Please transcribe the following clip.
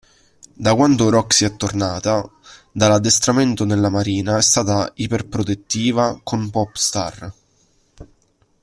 Da quando Roxy è tornata dall'addestramento nella marina, è stata iperprotettiva con popstar.